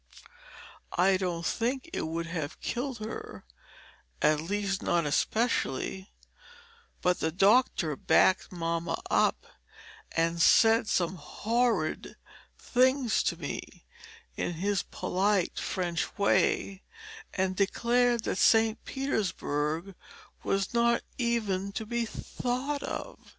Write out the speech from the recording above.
I don't think it would have killed her, at least not especially; but the doctor backed mamma up and said some horrid things to me in his polite French way and declared that St. Petersburg was not even to be thought of.